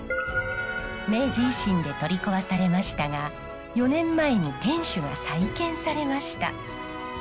明治維新で取り壊されましたが４年前に天守が再建されました。